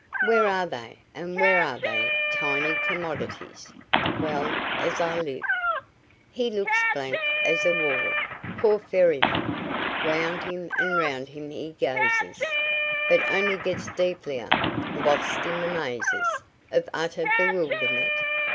Where are they, and where are their tiny commodities? Well, as I live" ...) He looks blank as a wall, Poor ferryman! Round him and round him he gazes, But only gets deeplier lost in the mazes Of utter bewilderment.